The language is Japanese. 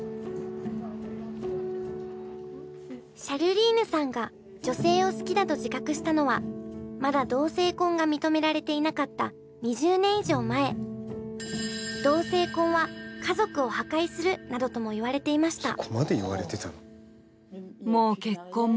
シャルリーヌさんが女性を好きだと自覚したのはまだ同性婚が認められていなかった２０年以上前。などともいわれていました。